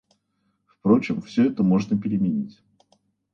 Впрочем, это все можно переменить.